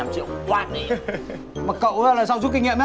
mà cậu là sao giúp kinh nghiệm